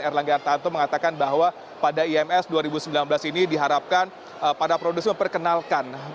erlangga artanto mengatakan bahwa pada ims dua ribu sembilan belas ini diharapkan para produsen memperkenalkan